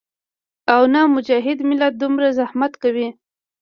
او نۀ مجاهد ملت دومره زحمت کوي